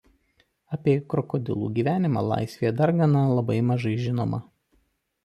Apie krokodilų gyvenimą laisvėje dar gana labai mažai žinoma.